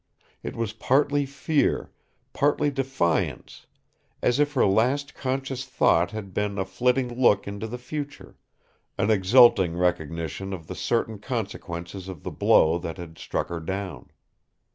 It was partly fear, partly defiance as if her last conscious thought had been a flitting look into the future, an exulting recognition of the certain consequences of the blow that had struck her down.